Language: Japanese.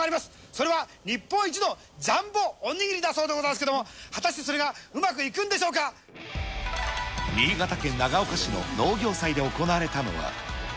それは、日本一のジャンボお握りだそうでございますけれども、果たしてそ新潟県長岡市の農業祭で行われたのは。